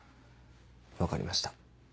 分かりました。